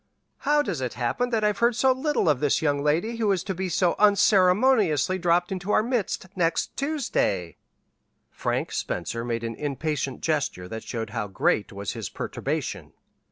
"How does it happen that I've heard so little of this young lady who is to be so unceremoniously dropped into our midst next Tuesday?" Frank Spencer made an impatient gesture that showed how great was his perturbation.